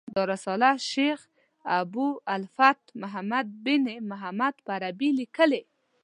دا رساله شیخ ابو الفتح محمد بن محمد په عربي لیکلې.